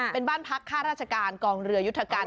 เป็นบ้านพักค่าราชการกองเรือยุทธการ